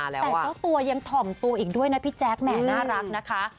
แต่เจ้าตัวยังถ่อมตัวอีกด้วยนะพี่แจ๊คแหมน่ารักนะคะ